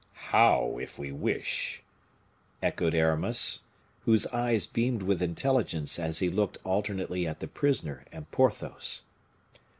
"How if we wish?" echoed Aramis, whose eyes beamed with intelligence as he looked alternately at the prisoner and Porthos.